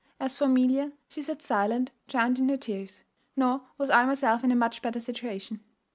As for Amelia, she sat silent, drowned in her tears; nor was I myself in a much better situation.